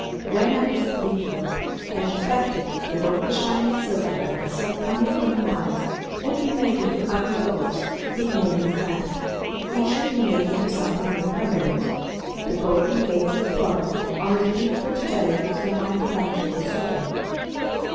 When I was at Leadville and reflected that all the shining silver that I saw coming from the mines would be made into ugly dollars, it made me sad. It should be made into something more permanent. The golden gates at Florence are as beautiful to day as when Michael Angelo saw them.